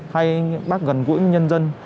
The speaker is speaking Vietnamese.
hay bác gần gũi nhân dân